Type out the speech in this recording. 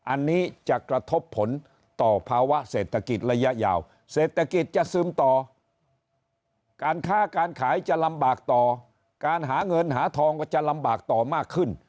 อันนี้จะกระทบผลต่อภาวะเศรษฐกิจระยะยาวเศรษฐกิจจะซึมต่อการค้าการขายจะลำบากต่อการหาเงินหาทองก็จะลำบากต่อมากขึ้น